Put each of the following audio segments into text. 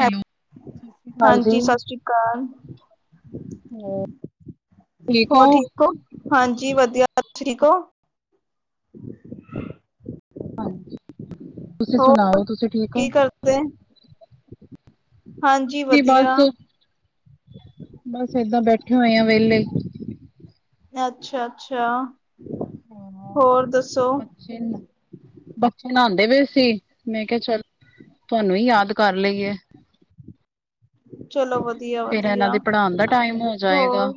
Hello. ਸਤਿ ਸ੍ਰੀ ਅਕਾਲ ਜੀ, ਹਾਂਜੀ, ਸਤਿ ਸ੍ਰੀ ਅਕਾਲ। ਹੋਰ ਠੀਕ ਹੋ? ਹਾਂਜੀ ਵਧੀਆ, ਤੁਸੀ ਠੀਕ ਹੋ? [inaudible] ਹਾਂਜੀ, ਤੁਸੀ ਹੋਰ ਸੁਣਾਓ, ਤੁਸੀ ਠੀਕ ਹੋ। ਕੀ ਕਰਦੇ ਕੁਛ ਹਾਂਜੀ ਵੀ ਬਸ, ਵਧੀਆ ਬਸ ਏਦਾਂ ਬੈਠੇ ਹੋਏ ਆ ਵੇਲੇ। ਅੱਛਾ-ਅੱਛਾ, ਹਾਂ। ਹੋਰ ਦੱਸੋ। [unintelligible] ਬੱਚੇ ਨਹਾਂਦੇ ਪੇ ਸੀ, ਮੈਂ ਕਿਹਾ ਚੱਲ ਤੁਹਾਨੂੰ ਹੀ ਯਾਦ ਕਰ ਲਈਏ। ਚਲੋ ਵਧੀਆ- ਫੇਰ ਏਨਾ ਵਧੀਆ ਦੇ ਪੜਾਨ ਦਾ ਟਾਈਮ ਹੋ ਜਾਏਗਾ। ਹੋਰ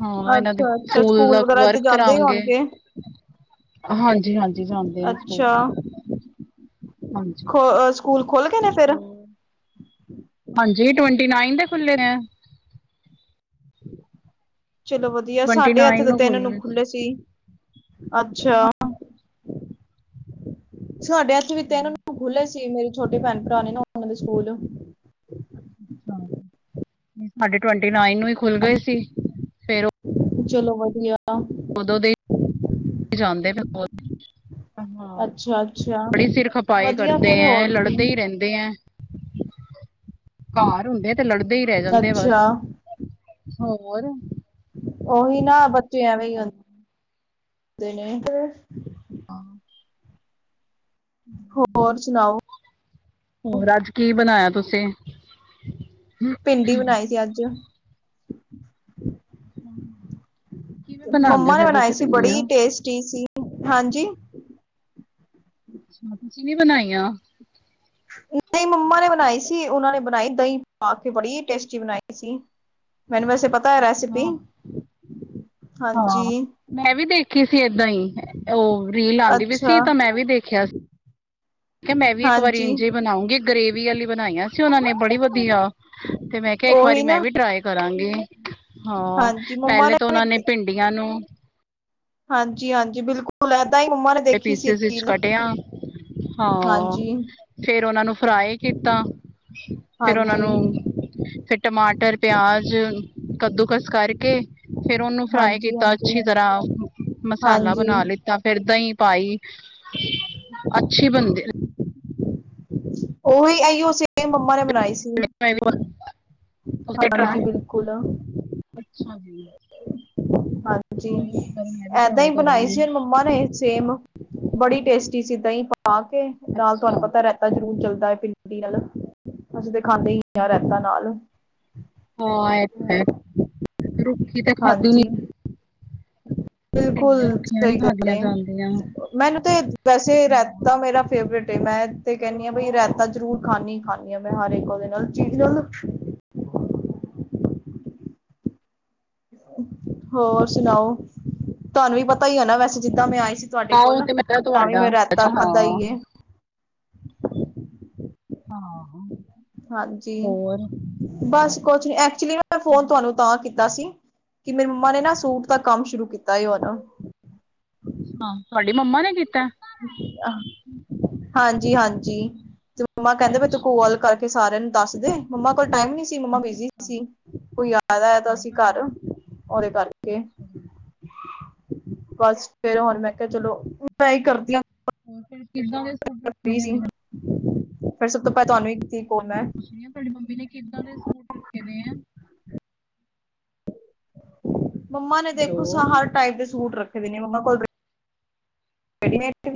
ਹਾਂ ਇਹਨਾਂ ਦੇ ਅੱਛਾ-ਅੱਛਾ, ਸਕੂਲ ਦਾ ਵਗੈਰਾ ਤੇ ਜਾਂਦੇ ਹੀ ਹੋਣਗੇ। ਹਾਂਜੀ-ਹਾਂਜੀ, ਜਾਂਦੇ ਐ ਸਕੂਲ। ਅੱਛਾ ਹਾਂਜੀ। ਖੋ ਅ ਸਕੂਲ ਖੋਲ੍ਹ ਗੇ ਨੇ? ਫਿਰ ਹੋਰ, ਹਾਂਜੀ ਟਵੰਟੀ ਨਾਈਨ ਦੇ ਖੁੱਲੇ ਐ। ਚਲੋ ਵਧੀਆ, ਟਵੰਟੀ ਸਾਡੇ ਏਥੇ ਨਾਈਨ ਦੇ ਤਿੰਨ ਨੂੰ ਖੁੱਲਣੇ। ਖੁੱਲੇ ਸੀ, ਅੱਛਾ। ਸਾਡੇ ਏਥੇ ਵੀ ਤਿੰਨ ਨੂੰ ਖੁੱਲ੍ਹੇ ਸੀ, ਮੇਰੇ ਛੋਟੇ ਭੈਣ-ਭਰਾ ਨੇ ਨਾ, ਓਨਾਂ ਦੇ ਸਕੂਲ। ਅੱਛਾ, ਨੀ ਸਾਡੇ ਟਵੈਂਟੀ ਨਾਈਨ ਨੂੰ ਹੀ ਖੁੱਲ ਗਏ ਸੀ। ਫੇਰ ਚਲੋ ਵਧੀਆ। ਉਦੋਂ ਦੇ- ਜਾਂਦੇ ਪਏ [inaudible] ਹਾਂ, ਅੱਛਾ ਅੱਛਾ ਬੜੀ ਸਿਰ ਖਪਾਏ ਵਧੀਆ ਕਰਦੇ ਫੇਰ ਐ, ਹੋਰ ਲੜਦੇ ਹੀ ਕੀ ਰਹਿੰਦੇ ਐ। ਘਰ ਹੁੰਦੇ ਤੇ ਲੜਦੇ ਹੀ ਰਹਿ ਜਾਂਦੇ ਅੱਛਾ ਬਸ। ਹੋਰ ਓਹੀ ਨਾ ਬੱਚੇ ਐਵੇਂ ਹੀ [unintelligible] ਦੇ ਨੇ। ਹਾਂ। ਹੋਰ ਸੁਣਾਓ। ਹੋਰ ਅੱਜ ਕੀ ਬਣਾਇਆ ਤੁਸੀ? ਭਿੰਡੀ ਬਨਾਈ ਸੀ ਅੱਜ। ਕਿਵੇਂ ਬਣਾਉਂਦੇ ਹੋ ਮੰਮਾ ਨੇ ਫਿਰ ਬਨਾਈ ਤੁਸੀਂ ਸੀ, ਭਿੰਡੀਆਂ ਬੜੀ ਟੇਸਟੀ ਸੀ, ਹਾਂਜੀ ਅੱਛਾ, ਤੁਸੀ ਨੀ ਬਨਾਈਆਂ? ਨਹੀ ਮੰਮਾ ਨੇ ਬਨਾਈ ਸੀ, ਉਹਨਾ ਨੇ ਬਨਾਈ ਦਹੀ ਪਾ ਕੇ, ਬੜੀ ਟੇਸਟੀ ਬਨਾਈ ਸੀ। ਮੈਨੂੰ ਵੈਸੇ ਪਤਾ ਐ ਰੈਸਿਪੀ। ਹਾਂ ਹਾਂ ਹਾਂਜੀ ਮੈਂ ਵੀ ਦੇਖੀ ਸੀ ਏਦਾਂ ਹੀ, ਉਹ ਰੀਲ ਆਂਦੀ ਪਈ ਅੱਛਾ ਸੀ ਤੇ ਮੈ ਵੀ ਦੇਖਿਆ ਠੀਕ ਐ, ਮੈ ਵੀ ਇੱਕ ਵਾਰੀ ਹਾਂਜੀ ਇੰਝ ਹੀ ਬਨਾਉਂਗੀ ਗ੍ਰਰੇਵੀ ਵਾਲੀ ਬਨਾਈਆਂ ਸੀ ਓਨਾਂ ਨੇ ਬੜੀ ਵਧੀਆ ਤੇ ਮੈ ਕਿਹਾ ਇੱਕ ਵਾਰੀ ਉਹੀ ਮੈ ਨਾ ਵੀ ਟਰਾਈ ਕਰਾਗੀ। ਹਾਂ, ਹਾਂਜੀ ਮੰਮਾ ਪਹਿਲੇ ਤਾਂ ਵੀ ਉਹਨਾਂ ਨੇ ਭਿੰਡੀਆਂ ਨੂੰ ਹਾਂਜੀ-ਹਾਂਜੀ ਬਿਲਕੁਲ, ਏਦਾਂ ਹੀ ਮੰਮਾ ਨੇ ਦੇਖੀ ਸੀ ਪਿਸੀਜ਼ 'ਚ ਰੀਲ ਕਟਿਆ, ਹਾਂ। ਹਾਂਜੀ ਫੇਰ ਓਨਾਂ ਨੂੰ ਫਰਾਈ ਕੀਤਾ, ਫੇਰ ਓਨਾਂ ਹਾਂਜੀ ਨੂੰ ਫੇਰ ਟਮਾਟਰ, ਪਿਆਜ ਕੱਦੂਕਸ ਕਰਕੇ ਫੇਰ ਉਹਨੂੰ ਫਰਾਈ ਹਾਂਜੀ ਕੀਤਾ ਅੱਛੀ ਹਾਂਜੀ ਤਰ੍ਹਾਂ, ਮਸਾਲਾ ਹਾਂਜੀ ਬਣਾ ਲਿੱਤਾ ਫੇਰ ਦਹੀਂ ਪਾਈ, ਅੱਛੀ ਬਣਦੇ, ਉਹੀ ਅਹੀ ਉਸੇ ਮੰਮਾ ਨੇ ਬਣਾਈ ਸੀ। ਹਾਂਜੀ, ਬਿਲਕੁਲ। ਅੱਛਾ ਜੀ। ਹਾਂਜੀ, ਕੋਈ ਨੀ ਮੈਂ ਵੀ ਏਦਾਂ ਹੀ ਟਰਾਈ ਬਣਾਈ ਕਰਾਂਗੀ ਸੀ ਉਹ ਮੰਮਾ ਨੇ ਸੇਮ ਬੜੀ ਟੇਸਟੀ ਸੀ ਦਹੀਂ ਪਾ ਕੇ ਨਾਲ ਤੁਹਾਨੂੰ ਅੱਛਾ ਪਤਾ ਰਹਿ ਤਾ ਜ਼ਰੂਰ ਚੱਲਦਾ ਹੈ ਪਿੰਡੀ ਨਾਲ ਅਸੀਂ ਤਾਂ ਖਾਂਦੇ ਹੀ ਨੀ ਰਾਇਤਾ ਨਾਲ। ਹਾਂ ਇਹ ਤਾਂ ਹੈ, ਰੁੱਖੀ ਤੇ ਖਾਦੀ ਨੀ, ਹਾਂਜੀ ਬਿਲਕੁਲ ਭਿੰਡੀਆਂ ਰੁੱਖੀਆਂ ਨੀ ਸਹੀ ਗੱਲ ਖਾਧੀਆਂ ਹੈ। ਜਾਂਦੀਆਂ ਮੈਨੂੰ ਤਾਂ ਵੈਸੇ ਰਹਿਤਾ ਮੇਰਾ ਫੇਵਰੇਟ ਏ, ਮੈਂ ਤੇ ਕਹਿੰਦੀ ਆ ਵੀ ਰਾਇਤਾ ਜਰੂਰ ਖਾਂਦੀ-ਖਾਂਦੀ ਮੈਂ ਹਰ ਇੱਕ ਉਹਦੇ ਨਾਲ ਚੀਜ਼ ਨਾਲ ਹੋਰ ਸੁਣਾਓ, ਤੁਹਾਨੂੰ ਵੀ ਪਤਾ ਹੀ ਹੈ ਨਾ ਵੈਸੇ ਜਿੱਦਾਂ ਮੈਂ ਆਏ ਸੀ ਤੁਹਾਡੇ ਹਾਂ ਉਹ ਕੋਲ, ਤੇ ਮੈਂ ਕਿਹਾ ਤਾਂ ਵੀ ਤੁਹਾਡਾ ਮੈਂ ਰਾਇਤਾ ਅੱਛਾ ਹਾਂ ਖਾਧਾ ਈਏ। ਆਹੋ। ਹਾਂਜੀ, ਬਸ ਕੁਛ ਨੀ ਐ, ਐਕਚੁਲੀ ਮੈਂ ਫੋਨ ਤੁਹਾਨੂੰ ਤਾਂ ਕੀਤਾ ਸੀ, ਕਿ ਮੇਰੀ ਮੰਮਾ ਨੇ ਨਾ ਸੂਟ ਦਾ ਕੰਮ ਸ਼ੁਰੂ ਕੀਤਾ ਉਹ ਨਾ। ਹਾਂ, ਤੁਹਾਡੀ ਮੰਮਾ ਨੇ ਕੀਤਾ? ਹਾਂਜੀ-ਹਾਂਜੀ, ਮੰਮਾ ਕਹਿੰਦੇ ਵੀ ਤੂੰ ਕੋਲ ਅੱਛਾ ਕਰਕੇ ਸਾਰਿਆਂ ਨੂੰ ਦੱਸ ਦੇ, ਮੰਮਾ ਕੋਲ ਟਾਈਮ ਨੀ ਸੀ ਮੰਮਾ ਬਿਜੀ ਸੀ, ਕੋਈ ਆਇਆ ਹੈਗਾ ਕੋਈ ਸੀ ਗੱਲ ਘਰ। ਨੀ, ਉਹਦੇ ਕਰਕੇ। ਬਸ ਫੇਰ ਹੁਣ ਮੈਂ ਕਿਹਾ ਚਲੋ ਮੈਂ ਹੀ ਕਰਦੀ ਹਾਂ। ਔਰ ਫੇਰ, [unintelligible] ਫਿਰ ਸਭ ਤੋਂ ਪਤਾ ਨੀ ਤੀ, ਨਹੀਂ ਕੁੱਛ ਨੀ ਆ, ਤੁਹਾਡੀ ਮੰਮੀ ਨੇ ਕਿੱਦਾਂ ਦੇ ਸੂਟ ਰੱਖੇ ਦੇ ਆ? ਮੰਮਾ ਨੇ ਦੇਖੋ ਹੈਲੋ ਹਰ ਟਾਈਪ ਦੇ ਸੂਟ ਰੱਖੇ ਮੰਮਾ ਕੋਲ ਰਡੀਮੇਡ [unintelligible] ਚ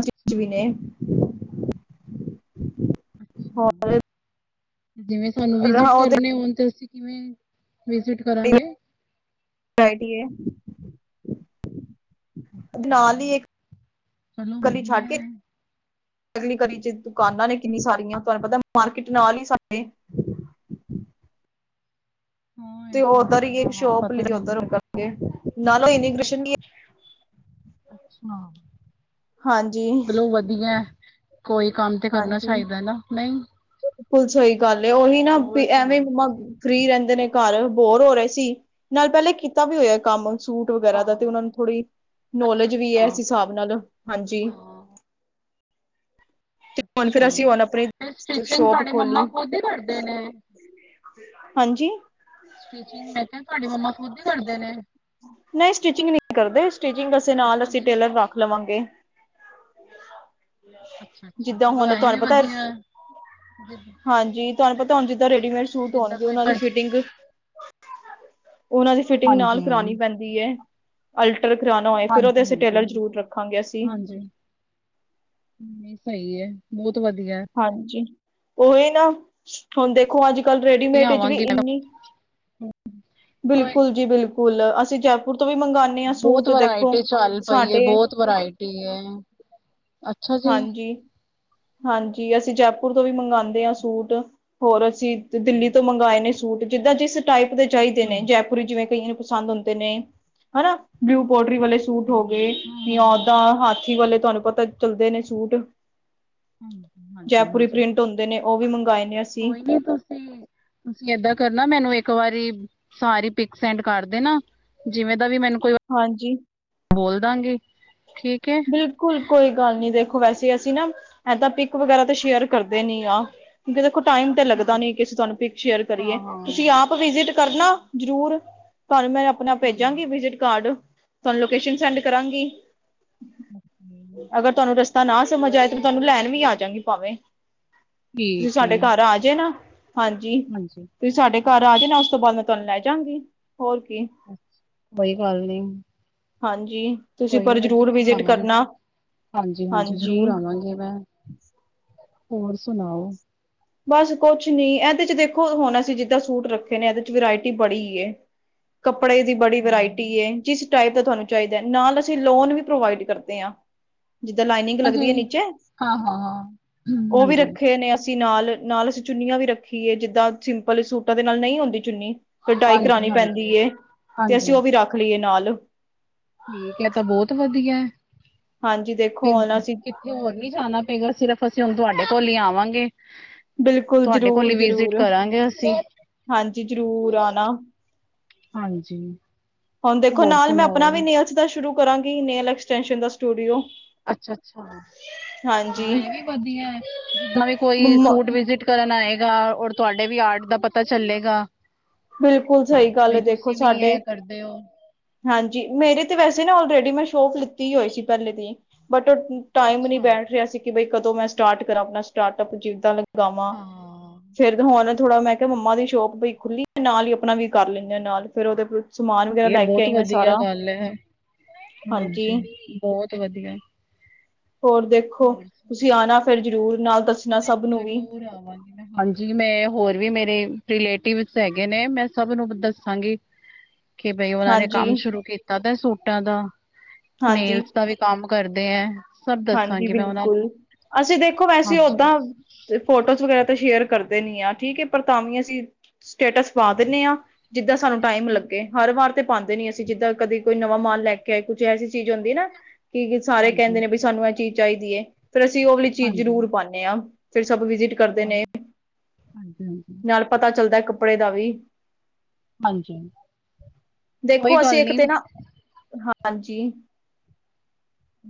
ਅੱਛਾ ਵੀ ਨੇ [unintelligible] ਅੱਛਾ, ਹੋਰ ਜਿਵੇਂ ਸਾਨੂੰ ਵਿਜਿਟ ਉਹਦੇ ਕਰਨੇ ਹੋਣ ਤੇ ਅਸੀਂ, ਕਿਵੇਂ ਵਿਜਿਟ ਕਰਾਂਗੇ? ਬੈਠੀਏ, ਨਾਲ ਹੀ ਇੱਕ, ਚਲੋ ਗਲੀ ਛੱਡ ਵਧੀਆ ਕੇ, ਹੈ ਅਗਲੀ ਗੱਲੀ ਚ ਦੁਕਾਨਾਂ ਨੇ ਕਿੰਨੀ ਸਾਰੀਆਂ ਤੁਹਾਨੂੰ ਪਤਾ ਮਾਰਕੀਟ ਨਾਲ ਹੀ ਸਾਡੇ। ਹਾਂ ਇਹ ਤੇ ਤਾਂ ਉੱਧਰ ਹੈ ਹੀ ਹਾਂ ਹਾਂ ਸ਼ੋਪ ਪਤਾ ਉੱਧਰ ਮੈਨੂੰ ਕਰਨਣਗੇ ਨਾਲੇ ਇੰਨੀ ਕ੍ਰਿਸ਼ਨ ਅੱਛਾ, ਹਾਂਜੀ ਮਤਲਬ ਵਧੀਆ। ਕੋਈ ਕੰਮ ਤੇ ਕਰਨਾ ਚਾਹੀਦਾ ਨਾ, ਨਹੀਂ। ਬੲੀ ਸਈ ਗੱਲ ਏ ਉਹੀ ਨਾ ਹੋਰ ਵੀ ਐਵੇਂ ਸੁਣਾਓ ਮੰਮਾ ਤੁਸੀਂ ਫਰੀ ਰਹਿੰਦੇ ਨੇ ਘਰ ਬੋਰ ਹੋ ਰਹੇ ਸੀ ਨਾਲ ਪਹਿਲੇ ਕੀਤਾ ਵੀ ਹੋਇਆ ਕੰਮ। ਸੂਟ ਵਗੈਰਾ ਦਾ ਤੇ ਉਹਨਾਂ ਨੂੰ ਹਾਂ ਥੋੜ੍ਹੀ ਅੱਛਾ ਨੋਲੇਜ ਵੀ ਅੱਛਾ ਹੈ, ਇਸ ਹਿਸਾਬ ਨਾਲ, ਹਾਂਜੀ। ਹਾਂ ਤੇ ਹੁਣ ਅੱਛਾ ਫਿਰ ਅਸੀਂ ਹੁਣ ਆਪਣੀ ਫਿਰ ਸਟਿਚਿੰਗ ਸ਼ੋਪ ਤੁਹਾਡੇ ਖੋਲੀ। ਮੰਮਾ ਖੁਦ ਹੀ ਕਰਦੇ ਨੇ ਹਾਂਜੀ। ਸਟਿਚਿੰਗ ਮੈਂ ਕਿਹਾ ਤੁਹਾਡੀ ਮੰਮਾ ਖੁਦ ਹੀ ਕਰਦੇ ਨੇ? ਨਹੀਂ ਸਟਿਚਿੰਗ ਨਹੀਂ ਕਰਦੇ ਸਟਿਚਿੰਗੇ ਨਾਲ ਸੂਟਾਂ ਅਸੀਂ ਦੀ ਟੇਲਰ ਰੱਖ ਲਵਾਂਗੇ। [inaudible] ਅੱਛਾ-ਅੱਛਾ, ਜਿੱਦਾਂ ਚਲੋ ਹੁਣ ਇਹ ਵੀ ਤੁਹਾਨੂੰ ਪਤਾ ਵਧੀਆ ਜ ਹਾਂਜੀ, ਤੁਹਾਨੂੰ ਪਤਾ ਹੁਣ ਜਿੱਦਾਂ ਰੈਡੀਮੇਡ ਸੂਟ ਜਿੱਦਾਂ ਆਉਣਗੇ ਕੋਈ ਉਹਨਾਂ ਦੀ ਪਰ ਫਿਟਿੰਗ, ਉਹਨਾਂ ਦੀ ਫਿਟਿੰਗ ਹਾਂਜੀ ਨਾਲ, ਕਰਾਉਣੀ ਪੈਂਦੀ ਹੈ ਅਲਟਰ ਕਰਾਉਣਾ ਹੋਏ ਫੇਰ ਉਹਦੇ ਹਾਂਜੀ ਅਸੀਂ ਹਾਂਜੀ ਟੇਲਰ ਜ਼ਰੂਰ ਬਿਲਕੁਲ ਰੱਖਾਂਗੇ ਅਸੀਂ। ਹਾਂਜੀ ਨਹੀਂ, ਸਹੀ ਆ ਬਹੁਤ ਵਧੀਆ। ਹਾਂਜੀ, ਉਹੀ ਨਾ, ਹੁਣ ਦੇਖੋ ਅੱਜ ਕੱਲ ਹੈ। ਰੈਡੀਮੇਟ ਵਿੱਚ ਵੀ ਆਵਾਂਗੀ ਮੈਂ। ਇੰਨੀ, ਕੋਈ ਬਿਲਕੁਲ ਜੀ ਬਿਲਕੁਲ ਫੁੱਲ ਅਸੀਂ ਜੈਪੁਰ ਤੋਂ ਵੀ ਮੰਗਗਾਉਣੇ ਬਹੁਤ ਵਰਾਇਟੀ ਚੱਲ ਪਈ ਹੈ ਬਹੁਤ ਵਰਾਇਟੀ ਹੈ ਅੱਛਾ ਜੀ ਹਾਂਜੀ, ਹਾਂਜੀ ਅਸੀਂ ਜੈਪੁਰ ਤੋਂ ਵੀ ਮੰਗਵਾਉਂਦੇ ਹਾਂ ਸੂਟ ਹੋਰ ਅਸੀਂ ਦਿੱਲੀ ਤੋਂ ਮੰਗਵਾਏ ਨੇ ਸੂਟ ਜਿੱਦਾਂ ਜਿਸ ਟਾਈਪ ਦੇ ਚਾਹੀਦੇ ਨੇ ਅੱਛਾ ਜੈ ਜਿਵੇਂ ਕਈਆਂ ਨੂੰ ਪਸੰਦ ਹੁੰਦੇ ਨੇ ਹਨਾ ਬਲਿਊ ਪੋਡਰੀ ਵਾਲੇ ਸੂਟ ਹੋ ਗਏ ਕੋਈ ਹਾਂ ਜਾਂ ਓਦਾਂ ਹਾਥੀ ਵਾਲੇ ਤੁਹਾਨੂੰ ਪਤਾ ਚੱਲਦੇ ਨੇ ਸੂਟ ਹਾਂਜੀ ਹਾਂਜੀ ਜੈਪੁਰੀ ਹਾਂਜੀ, ਪ੍ਰਿੰਟ ਹੁੰਦੇ ਨੇ ਉਹ ਵੀ ਮੰਗਵਾਏ ਨੇ ਅਸੀਂ ਕੋਈ ਨੀ ਤੁਸੀਂ ਤੁਸੀਂ ਏਦਾਂ ਕਰਨਾ ਮੈਨੂੰ ਇੱਕ ਵਾਰੀ ਸਾਰੀ ਪਿਕ ਸੈਂਡ ਕਰਦੇ ਨਾ ਜਿਵੇਂ ਦਾ ਵੀ ਮੈਨੂੰ ਕੋਈ ਹਾਂਜੀ ਬੋਲਦਾਂ ਗਏ ਠੀਕ ਬਿਲਕੁਲ ਕੋਈ ਗੱਲ ਨੀ ਦੇਖੋ ਵੈਸੇ ਅਸੀਂ ਨਾ ਇਦਾਂ ਤਾਂ ਪਿਕ ਵਗੈਰਾ ਤੇ ਸ਼ੇਅਰ ਕਰਦੇ ਨੀ ਆ ਕਿਉਂਕਿ ਦੇਖੋ ਟਾਈਮ ਤੇ ਅੱਛਾ ਲੱਗਦਾ ਜੀ ਨੀ ਕਿਸੇ ਤੁਹਾਨੂੰ ਪਿਕ ਸ਼ੇਅਰ ਕਰੀਏ ਹਾਂ ਹਾਂ ਤੁਸੀਂ ਆਪ ਵਿਜਿਟ ਕਰਨਾ ਜਰੂਰ ਤੁਹਾਨੂੰ ਮੈਂ ਆਪਣੇ ਆਪ ਠੀਕ ਭੇਜਾਂਗੀ ਵਿਜਿਟ ਕਾਰਡ ਤੁਹਾਨੂੰ ਲੋਕੇਸ਼ਨ ਸੈਂਡ ਕਰਾਂਗੀ ਓਕੇ, ਅਗਰ ਤੁਹਾਨੂੰ ਰਸਤਾ ਨਾ ਸਮਝ ਆਏ ਤੇ ਤੁਹਾਨੂੰ ਲੈਣ ਵੀ ਆ ਜਾਵਾਂਗੀ ਭਾਵੇਂ ਤੁਸੀਂ ਠੀਕ ਹੈ ਸਾਡੇ ਘਰ ਆਜੇ ਨਾ, ਹਾਂਜੀ ਤੁਸੀਂ ਸਾਡੇ ਘਰ ਆ ਜਾ ਨਾ ਉਸ ਤੋਂ ਬਾਅਦ ਮੈਂ ਤੁਹਾਨੂੰ ਲੈ ਜਾਵਾਂਗੀ, ਹੋਰ ਕੀ ਅੱਛਾ, ਕੋਈ ਗੱਲ ਨੀ ਹਾਂਜੀ, ਤੁਸੀਂ ਕੋਈ ਨੀ ਪਰਜ ਮੈਂ ਜ਼ਰੂਰ ਆਵਾਂਗੀ, ਹਾਂਜੀ- ਹਾਂਜੀ ਜ਼ਰੂਰ ਆਵਾਂਗੀ ਹਾਂਜੀ ਮੈਂ, ਹੋਰ ਸੁਣਾਓ ਬਸ ਕੁਛ ਨੀ ਇਹਦੇ ਚ ਦੇਖੋ ਹੁਣ ਅਸੀਂ ਜਿੱਦਾਂ ਸੂਟ ਰੱਖੇ ਨੇ ਇਹਦੇ ਚ ਵਰਾਇਟੀ ਬੜੀ ਕੱਪੜੇ ਦੀ ਬੜੀ ਵਰਾਇਟੀ ਹਾਂ ਏ, ਜਿਸ ਟਾਈਪ ਦਾ ਤੁਹਾਨੂੰ ਚਾਹੀਦਾ, ਨਾਲ ਅਸੀਂ ਲੋਨ ਵੀ ਪ੍ਰੋਵਾਈਡ ਕਰਦੇ ਹਾਂ ਜਿੱਦਾਂ ਲਾਈਨਿੰਗ ਲੱਗਦੀ ਹੈ ਹਾਂਜੀ, ਨੀਚੇ, ਹਾਂ-ਹਾਂ-ਹਾਂ, ਹੂੰ, ਉਹ ਵੀ ਹਾਂਜੀ, ਰੱਖੇ ਨੇ ਅਸੀਂ ਨਾਲ ਨਾਲ ਅਸੀਂ ਚੁੰਨੀਆਂ ਵੀ ਰੱਖੀਏ ਜਿੱਦਾਂ ਸਿੰਪਲ ਸੂਟਾਂ ਦੇ ਨਾਲ, ਨਹੀਂ ਹੁੰਦੀ ਚੁੰਨੀ ਡਾਈ ਕਰਾਉਣੀ ਹਾਂਜੀ-ਹਾਂਜੀ, ਪੈਂਦੀ ਏ, ਤੇ ਹਾਂਜੀ। ਅਸੀਂ ਹਾਂਜੀ। ਉਹ ਵੀ ਰੱਖ ਲਈਏ ਨਾਲ ਠੀਕ ਹੈ ਤਾਂ ਬਹੁਤ ਵਧੀਆ, ਹਾਂਜੀ ਦੇਖੋ ਫਿਰ ਹੁਣ ਅਸੀਂ ਹੋਰ ਨੀ ਜਾਣਾ ਪਏਗਾ, ਸਿਰਫ਼ ਅਸੀਂ ਹੁਣ ਤੁਹਾਡੇ ਕੋਲ ਹੀ ਆਵਾਂਗੇ ਬਿਲਕੁਲ ਤੁਹਾਡੇ ਕੋਲ ਜ਼ਰੂਰ ਈ ਵਿਜਿਟ ਜ਼ਰੂਰ, ਕਰਾਂਗੇ ਅਸੀਂ, ਹਾਂਜੀ ਜ਼ਰੂਰ ਆਉਣਾ ਹਾਂਜੀ, ਹੁਣ ਦੇਖੋ ਹੋਰ ਨਾਲ ਮੈਂ ਆਪਣਾ ਵੀ ਸੁਣਾਓ? ਨੇਲਸ ਦਾ ਸ਼ੁਰੂ ਕਰਾਂਗੀ, ਨੇਲਸ ਐਕਸਟੈਂਸ਼ਨ ਦਾ ਸਟੂਡੀਓ ਅੱਛਾ, ਅੱਛਾ ਹਾਂ ਹਾਂਜੀ ਇਹ ਵੀ ਵਧੀਆ, ਜਿੱਦਾਂ ਵੀ ਕੋਈ ਮੰਮਾ ਸੂਟ ਵਿਜਟ ਕਰਨ ਆਏਗਾ ਔਰ ਤੁਹਾਡੇ ਵੀ ਆਰਟ ਦਾ ਪਤਾ ਚੱਲੇਗਾ ਬਿਲਕੁਲ ਸਹੀ ਗੱਲ ਬਈ ਹੈ ਦੇਖੋ ਤੁਸੀਂ ਵੀ ਸਾਡੇ ਇਹ ਕਰਦੇ ਓ, ਹਾਂਜੀ ਮੇਰੇ ਤੇ ਵੈਸੇ ਆਲਰੇਡੀ ਮੈਂ ਸ਼ੋਪ ਲਿੱਤੀ ਹੋਈ ਸੀ ਪਹਿਲੇ ਦੀ, ਬਟ ਟਾਈਮ ਨਹੀਂ ਅੱਛਾ, ਬੈਠ ਰਿਹਾ ਸੀ ਕਿ ਬ ਕਦੋਂ ਮੈਂ ਸਟਾਰਟ ਕਰਾਂ ਆਪਣਾ ਸਟਾਰਟਪ ਅਪ ਜਿਦਾਂ ਲਗਾਵਾਂ ਹਾਂ। ਫੇਰ ਹੁਣ ਥੋੜਾ ਮੈਂ ਕਿਹਾ ਮੰਮਾ ਦੀ ਸ਼ੋਕ ਪਈ ਖੁੱਲੀ ਹੈ ਨਾਲ ਹੀ ਆਪਣਾ ਵੀ ਕਰ ਲੈਂਦੇਾ ਨਾਲ ਫੇਿਰ ਉਹਦੇ ਸਮਾਨ ਵਗੈਰਾ ਇਹ ਲੈ ਕੇ ਬਹੁਤ ਆਈ ਮੈਂ ਵਧੀਆ ਸਾਰਾ ਗੱਲ ਐ, ਹਾਂਜੀ, ਬਹੁਤ ਵਧੀਆ ਹੋਰ ਦੇਖੋ, ਹੋਰ ਤੁਸੀਂ ਆਉਣਾ ਫਿਰ ਸੁਣਾਓ? ਜ਼ਰੂਰ ਨਾਲ ਦੱਸਣਾ ਸਭ ਬਸ ਨੂੰ ਵੀ ਜ਼ਰੂਰ ਆਵਾਂਗੀ ਹਾਂਜੀ, ਮੈਂ ਹੋਰ ਵੀ ਮੇਰੇ ਰਿਲੇਟਿਵਸ ਹੈਗੇ ਨੇ, ਮੈਂ ਸਭ ਨੂੰ ਦੱਸਾਂਗੀ ਕਿ ਬਈ ਉਹਨਾਂ ਨੇ ਹਾਂਜੀ ਕੰਮ ਸ਼ੁਰੂ ਕੀਤਾ ਤੇ ਸੂਟਾਂ ਦਾ, ਹਾਂਜੀ ਨੇਲਸ ਦਾ ਵੀ ਕੰਮ ਕਰਦੇ ਹੈ ਸਭ ਹਾਂਜੀ ਦੱਸਾਂਗੀ ਮੈਂ ਉਹਨਾਂ ਨੂੰ ਬਿਲਕੁਲ, ਅਸੀਂ ਦੇਖੋ ਵੈਸੇ ਹਾਂਜੀ ਓਦਾਂ ਤੇ ਫੋਟੋਜ਼ ਵਗੈਰਾ ਤਾਂ ਸ਼ੇਅਰ ਕਰਦੇ ਨੀ ਆ, ਠੀਕ ਐ ਪਰ ਤਾਂ ਵੀ ਅਸੀਂ ਸਟੇਟਸ ਪਾ ਦਿੰਦੇ ਆ ਜਿੱਦਾਂ ਸਾਨੂੰ ਟਾਈਮ ਲੱਗੇ, ਹਰ ਵਾਰ ਤੇ ਪਾਂਦੇ ਨੀ ਅਸੀਂ, ਜਿੱਦਾਂ ਕਦੀ ਕੋਈ ਨਵਾਂ ਮਾਲ ਲੈ ਕੇ ਆਏ, ਕੁਛ ਐਸੀ ਚੀਜ਼ ਹੁੰਦੀ ਨਾ ਕਿ ਕਿ ਸਾਰੇ ਕੈਂਦੇ ਹਾਂਜੀ ਨੇ ਵੀ ਸਾਨੂੰ ਇਹ ਚੀਜ਼ ਚਾਹੀਦੀ ਏ, ਫਿਰ ਅਸੀਂ ਉਹ ਵਾਲੀ ਚੀਜ਼ ਹਾਂਜੀ ਜ਼ਰੂਰ ਪਾਂਣ ਏ ਆ, ਫੇਰ ਸਭ ਵਿਜਿਟ ਕਰਦੇ ਨੇ ਅੱਛਾ ਜੀ ਨਾਲ ਪਤਾ ਚੱਲਦਾ ਕੱਪੜੇ ਦਾ ਵੀ ਹਾਂਜੀ। ਕੋਈ ਦੇਖੋ ਅਸੀਂ ਗੱਲ ਇੱਕ ਨਹੀਂ ਤੇ ਨਾ, ਹਾਂਜੀ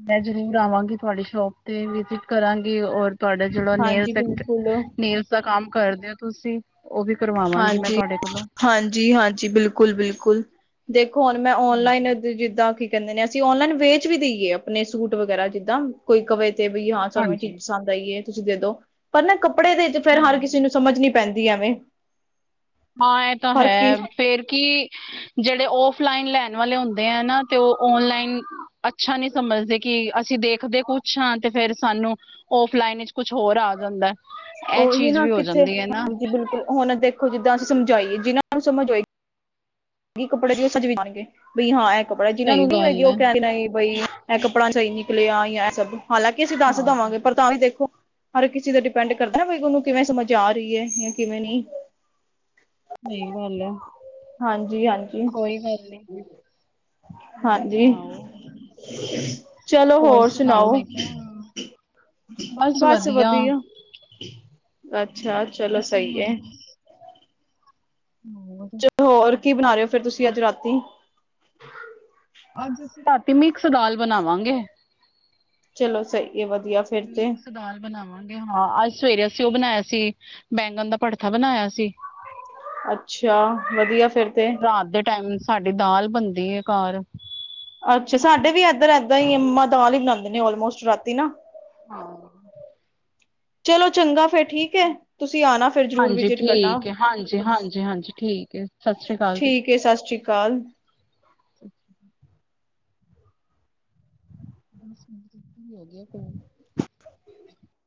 ਮੈਂ ਜ਼ਰੂਰ ਆਵਾਂਗੀ ਤੁਹਾਡੀ ਸ਼ੋਪ ਤੇ ਵਿਜਿਟ ਕਰਾਂਗੀ ਹੋਰ ਤੁਆਡਾ ਜੇੜਾ ਨੇਲ, ਹਾਂਜੀ ਬਿਲਕੁਲ ਨੇਲਸ ਦਾ ਕੰਮ ਕਰਦੇ ਓ ਤੁਸੀਂ, ਉਹ ਵੀ ਕਰਵਾਵਾਂਗੀ ਮੈਂ ਹਾਂਜੀ, ਤੁਹਾਡੇ ਕੋਲੋਂ ਹਾਂਜੀ-ਹਾਂਜੀ, ਬਿਲਕੁਲ-ਬਿਲਕੁਲ। ਦੇਖੋ ਹੁਣ ਮੈਂ ਹਾਂਜੀ ਔਨਲਾਈਨ ਜਿੱਦਾਂ ਕਿ ਕਹਿੰਦੇ ਨੇ ਅਸੀਂ ਓਨਲਾਈਨ ਵੇਚ ਵੀ ਦੇਈਏ ਅਪਣੇ ਸੂਟ ਵਗੈਰਾ ਜਿੱਦਾਂ, ਕੋਈ ਕਵੇ ਤੇ ਬਈ ਹਾਂ ਸਾਨੂੰ ਇਹ ਚੀਜ਼ ਹਾਂਜੀ, ਪਸੰਦ ਸਈ ਏ ਤੁਸੀਂ ਦੇ ਦੋ, ਪਰ ਨਾ ਕੱਪੜੇ ਦੇ ਵਿੱਚ ਫੇਰ ਹਰ ਕਿਸੇ ਹੂੰ। ਨੂੰ ਸਮਝ ਨੀ ਪੈਂਦੀ, ਐਵੇਂ ਹਾਂ ਐ ਤਾਂ ਹਰ ਕੀ ਹੈ, ਫੇਰ ਕੀ ਜੇੜੇ ਔਫਲਾਈਨ ਲੈਣ ਵਾਲੇ ਹੁੰਦੇ ਐ ਨਾ ਤੇ ਉਹ ਔਨਲਾਈਨ ਅੱਛਾ ਨੀ ਸਮਝਦੇ, ਕਿ ਅਸੀਂ ਦੇਖਦੇ ਕੁਛ ਹਾਂ, ਤੇ ਫੇਰ ਸਾਨੂੰ ਔਫਲਾਈਨ ਇਚ, ਕੁਛ ਹੋਰ ਆ ਜਾਂਦਾ। ਹੈ। ਇਹ ਉਹੀ ਚੀਜ਼ ਨਾ ਵੀ ਹੋ ਕਿੱਥੇ? ਜਾਂਦੀ ਹੈ ਨਾ ਹਾਂਜੀ, ਬਿਲਕੁਲ। ਹੁਣ ਦੇਖੋ ਜਿੱਦਾਂ ਅਸੀਂ ਸਮਝਾਈਏ, ਜਿਹਨਾਂ ਨੂੰ ਸਮਝ ਹੋਈ, ਕੱਪੜੇ ਦੀ ਉਹ ਸਮਜ ਵੀ ਜਾਣਗੇ। ਬਈ ਹਾਂ ਇਹ ਕੱਪੜਾ, ਜਿਹਨਾ ਸਹੀ ਨੂੰ ਨੀ ਹੈਗੀ, ਗੱਲ ਉਹ ਹੈ। ਕਹਿੰਦੇ ਬਈ ਇਹ ਕੱਪੜਾ ਸਹੀ ਨਿਕਲਿਆ ਯਾ ਇਹ ਸਬ, ਹਾਲਾਂਕਿ ਅਸੀਂ ਦੱਸ ਹਾਂ ਦਵਾਂਗੇ, ਪਰ ਤਾਂ ਵੀ ਦੇਖੋ ਹਰ ਕਿਸੇ ਦੇ ਡਿਪੈਂਡ ਕਰਦਾ, ਬਈ ਉਹਨੂੰ ਕਿਵੇਂ ਸਮਝ ਆ ਰਈ ਏ, ਯਾ ਕਿਵੇਂ ਨਈ? ਸਈ ਗੱਲ ਐ। ਹਾਂਜੀ-ਹਾਂਜੀ। ਹੋਰ ਸੁਣਾਓ? ਚਲੋ ਹੋਰ ਸੁਣਾਓ? ਬਸ ਵਦੀਆ, ਅੱਛਾ, ਚਲੋ ਅਸੀਂ ਸਈ ਵੀ ਹੁਣ ਏ। ਬਸ ਹੋਰ ਚਲੋ ਹੋਰ ਕੀ ਬਣਾ ਰਏ ਓ, ਫੇਰ ਤੁਸੀਂ ਅੱਜ ਰਾਤੀ। ਅੱਜ ਅਸੀਂ ਰਾਤੀ ਮਿਕਸ ਦਾਲ ਬਣਾਵਾਂਗੇ। ਚਲੋ ਸਈ ਏ ਵਦੀਆ। ਮਿਕਸ ਦਾਲ ਬਣਾਵਾਂਗੇ ਹਾਂ, ਅੱਜ ਸਵੇਰੇ ਅਸੀਂ ਉਹ ਬਣਾਇਆ ਸੀ, ਬੈਂਗਣ ਦਾ ਭੜਥਾ ਬਣਾਇਆ ਸੀ। ਅੱਛਾ, ਵਦੀਆ ਫੇਰ ਤੇ ਰਾਤ ਦੇ ਟਾਈਮ, ਸਾਡੀ ਦਾਲ ਬਣਦੀ ਏ ਘਰ। ਅੱਛਾ, ਸਾਡੇ ਵੀ ਇਧਰ ਏਦਾਂ ਈ ਮੰਮਾ ਦਾਲ ਈ ਬਣਾਂਦੇ ਨੇ, ਆਲਮੋਸਟ ਰਾਤੀ ਨਾ। ਹਾਂ। ਚਲੋ ਚੰਗਾ, ਫੇਰ ਠੀਕ ਠੀਕ ਐ, ਤੁਸੀਂ ਆਣਾ ਫਿਰ, ਜ਼ਰੂਰ ਹਾਂਜੀ ਵਿਜਿਟ ਕਰਨਾ। ਠੀਕ ਹੈ ਹਾਂਜੀ ਹਾਂਜੀ ਹਾਂਜੀ ਠੀਕ ਹੈ ਸਤਿ ਸ਼੍ਰੀ ਅਕਾਲ ਜੀ ਠੀਕ ਏ, ਸਤਿ ਸ੍ਰੀ ਅਕਾਲ। ਹੋ ਗਿਆ ਤੋਂ